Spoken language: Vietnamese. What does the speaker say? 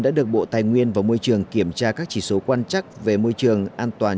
đã được bộ tài nguyên và môi trường kiểm tra các chỉ số quan trắc về môi trường an toàn